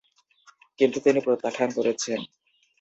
কিন্তু তিনি প্রত্যাখ্যান করেছেন।